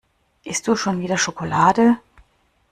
Isst du schon wieder Schokolade?